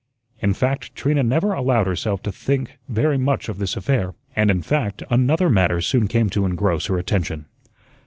In fact, Trina never allowed herself to think very much of this affair. And, in fact, another matter soon came to engross her attention.